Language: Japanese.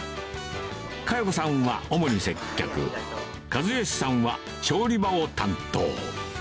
香代子さんは主に接客、一良さんは調理場を担当。